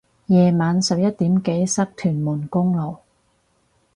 夜晚十一點幾塞屯門公路